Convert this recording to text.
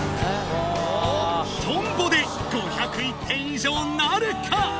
とんぼで５０１点以上なるか？